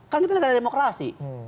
kan kita negara demokrasi